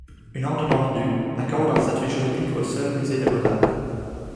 Une ordonnance du accorde un statut juridique aux seuls musées des Beaux-Arts.